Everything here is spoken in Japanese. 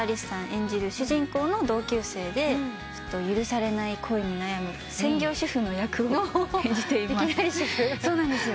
演じる主人公の同級生で許されない恋に悩む専業主婦の役を演じています。